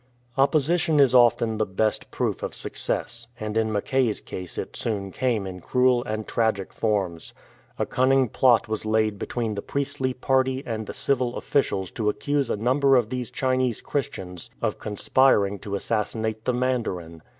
Opposition is often the best proof of success, and in Mackay's case it soon came in cruel and tragic forms. A cunning plot was laid between the priestly party and the 66 THE CAPTURE OF BANG KAH civil officials to accuse a number of these Chinese Christians of conspiring to assassinate the mandarin.